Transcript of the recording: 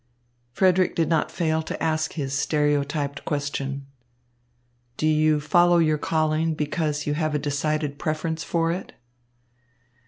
Frederick did not fail to ask his stereotyped question: "Do you follow your calling because you have a decided preference for it?"